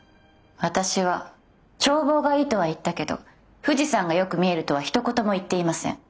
私は「眺望がいい」とは言ったけど「富士山がよく見える」とはひと言も言っていません。